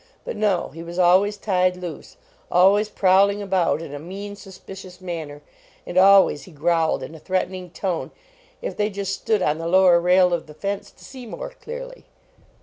But no; he was always tied loose ; always prowling about in a mean, suspicious manner, and always he growled in a threatening tone if they just stood on the lower rail of the fence to see more clearly.